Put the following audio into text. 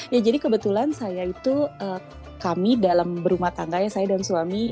ya jadi kebetulan saya itu kami dalam berumah tangga ya saya dan suami